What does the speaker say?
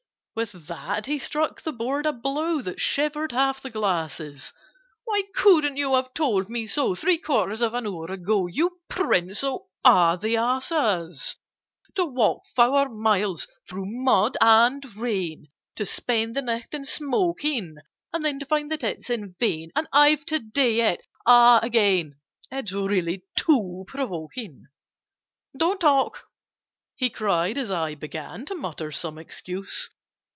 With that he struck the board a blow That shivered half the glasses. "Why couldn't you have told me so Three quarters of an hour ago, You prince of all the asses? "To walk four miles through mud and rain, To spend the night in smoking, And then to find that it's in vain— And I've to do it all again— It's really too provoking! "Don't talk!" he cried, as I began To mutter some excuse.